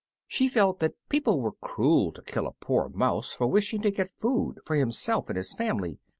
She felt that people were very cruel to kill a poor mouse for wishing to get food for himself and his family.